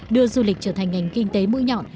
đưa du lịch trở thành ngành kinh tế mũi nhọn